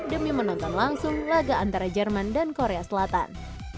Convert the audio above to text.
demi menonton langsung laga antara jerman dan korea selatan